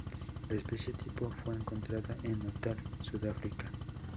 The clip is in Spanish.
La especie tipo fue encontrada en Natal, Sudáfrica.